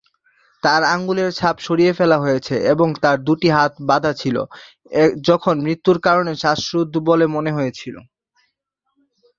তার আঙুলের ছাপ সরিয়ে ফেলা হয়েছিল এবং তার দুটি হাত বাঁধা ছিল, যখন মৃত্যুর কারণ শ্বাসরোধ বলে মনে হয়েছিল।